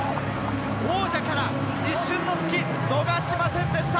王者から一瞬の隙を逃しませんでした。